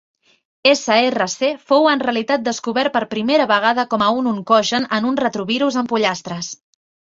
Src fou en realitat descobert per primera vegada com a un oncogen en un retrovirus en pollastres.